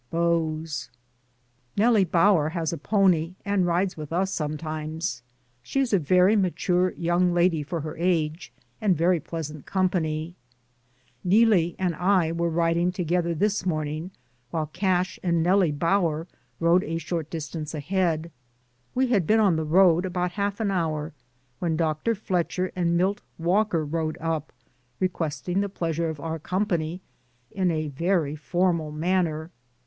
BEAUX. Nellie Bower has a pony, and rides with us sometimes. She is a very mature young lady for her age, and very pleasant company. Neelie and I were riding together this morn ing, while Cash and Nellie Bower rode a short distance ahead. We had been on the road about half an hour when Dr. Fletcher and Milt Walker rode up, requesting the pleasure of our company, in a very formal manner.